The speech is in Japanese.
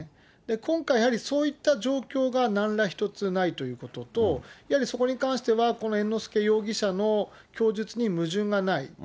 今回、やはりそういった状況がなんら一つないことと、やはりそこに関しては猿之助容疑者の供述に矛盾がない。